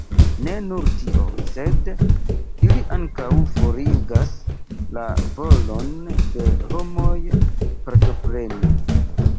Ne nur tio, sed ili ankaŭ forigas la volon de homoj partopreni.